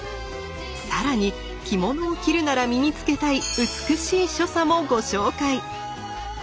更に着物を着るなら身につけたい美しい所作もご紹介。